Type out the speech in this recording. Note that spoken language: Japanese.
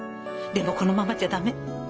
でもこのままじゃ駄目。